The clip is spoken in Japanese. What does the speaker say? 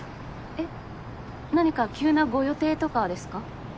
えっ何か急なご予定とかですか？